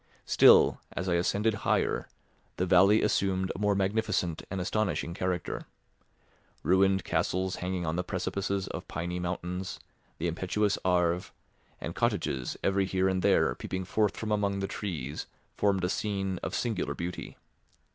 Still, as I ascended higher, the valley assumed a more magnificent and astonishing character. Ruined castles hanging on the precipices of piny mountains, the impetuous Arve, and cottages every here and there peeping forth from among the trees formed a scene of singular beauty.